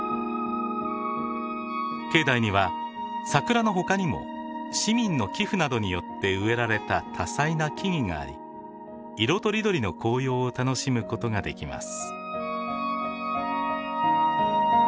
境内には桜の他にも市民の寄付などによって植えられた多彩な木々があり色とりどりの紅葉を楽しむことができます。